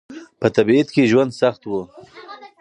په تبعيد کې ژوند سخت و.